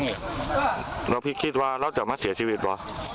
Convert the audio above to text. แล้วพี่คิดว่าเราจะมาเสียชีวิตเหรอ